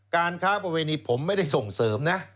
การค้าประเวณีผมไม่ได้ส่งเสริมนะ